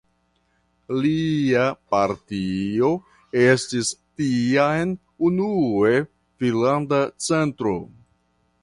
Lia partio estis tiam unue Finnlanda Centro.